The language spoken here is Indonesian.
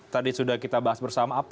tadi sudah kita bahas bersama apa